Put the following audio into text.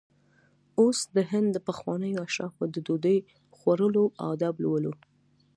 اوس د هند د پخوانیو اشرافو د ډوډۍ خوړلو آداب لولو.